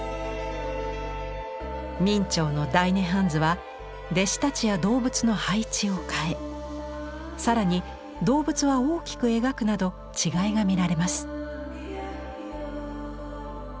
明兆の大涅槃図は弟子たちや動物の配置を変え更に動物は大きく描くなど違いが見られます。